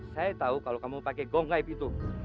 saya tahu kalau kamu pakai gong gaib itu